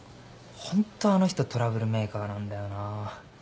ホントあの人トラブルメーカーなんだよなぁ。